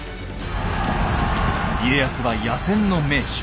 家康は野戦の名手。